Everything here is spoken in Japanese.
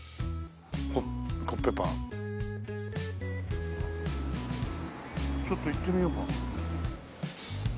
「コッペパン」ちょっと行ってみようか。